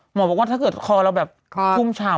บอกว่าถ้าเกิดคอเราแบบชุ่มฉ่ำ